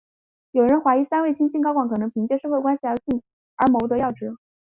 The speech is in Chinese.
有人怀疑三位新晋高管可能是凭借社会关系而谋得要职。